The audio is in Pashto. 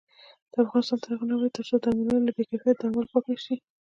افغانستان تر هغو نه ابادیږي، ترڅو درملتونونه له بې کیفیته درملو پاک نشي.